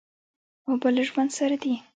اوبه له ژوند سره دي.